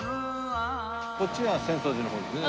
こっちが浅草寺の方ですね。